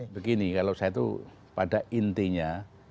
begini kalau saya itu pada intinya